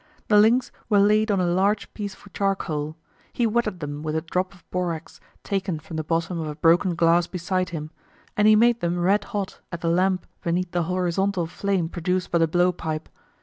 The links were laid on a large piece of charcoal. He wetted them with a drop of borax, taken from the bottom of a broken glass beside him; and he made them red hot at the lamp beneath the horizontal flame produced by the blow pipe.